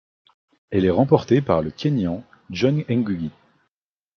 Elle est remportée par le Kényan John Ngugi.